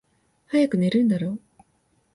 早く寝るんだろ？